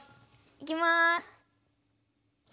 いきます。